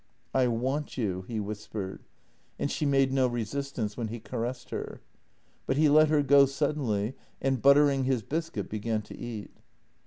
" I want you," he whispered, and she made no resistance when he caressed her. But he let her go suddenly and, butter ing his biscuit, began to eat.